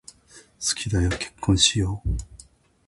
好きだよ、結婚しよう。